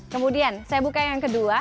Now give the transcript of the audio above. kemudian saya buka yang kedua